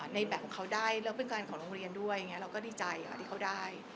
ในแบบของเขาได้แล้วเป็นการของโรงเรียนด้วยเราก็ดีใจดีเขาได้